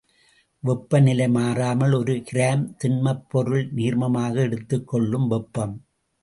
வெப்பநிலை மாறாமல் ஒரு கிராம் திண்மப் பொருள் நீர்மமாக எடுத்துக் கொள்ளும் வெப்பம்.